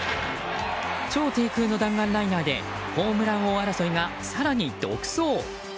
超低空の弾丸ライナーでホームラン王争いが更に独走。